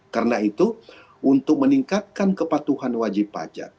karena itu untuk meningkatkan kepatuhan wajib pajak